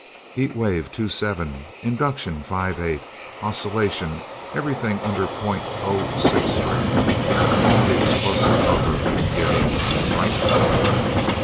"Heat wave two seven. Induction, five eight. Oscillation, everything under point oh six three. All the explosive copper we can get in. Right?"